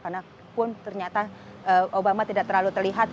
karena pun ternyata obama tidak terlalu terlihat